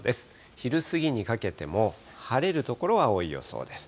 昼過ぎにかけても、晴れる所は多い予想です。